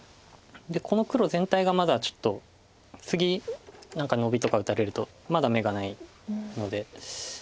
この黒全体がまだちょっと次何かノビとか打たれるとまだ眼がないので。